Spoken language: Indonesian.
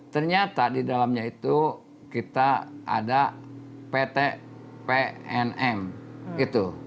ternyata di dalamnya itu kita ada pt pnm itu